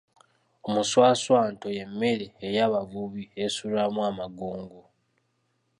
Omuswaswanto y’emmere ey’abavubi esuulwamu amangungu.